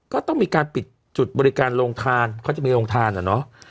ก็ต้องมีการปิดจุดบริการโรงทานเขาจะมีโรงทานอะเนาะ